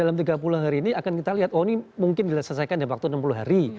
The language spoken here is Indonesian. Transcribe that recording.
dalam tiga puluh hari ini akan kita lihat oh ini mungkin diselesaikan dalam waktu enam puluh hari